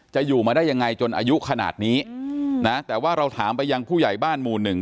จะอยู่มาได้ยังไงจนอายุขนาดนี้นะแต่ว่าเราถามไปยังผู้ใหญ่บ้านหมู่หนึ่ง